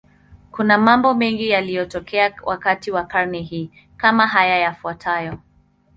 Kuna mambo mengi yaliyotokea wakati wa karne hii, kama haya yafuatayo.